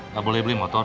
gak boleh beli motor